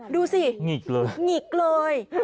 ดูสิหงิกเลย